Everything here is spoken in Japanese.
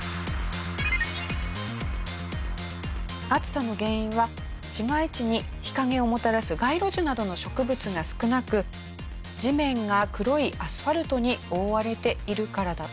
暑さの原因は市街地に日陰をもたらす街路樹などの植物が少なく地面が黒いアスファルトに覆われているからだとか。